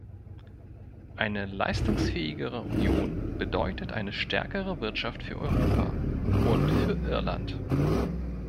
Eine leistungsfähigere Union bedeutet eine stärkere Wirtschaft für Europa und für Irland.